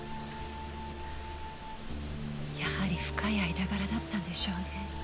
やはり深い間柄だったんでしょうね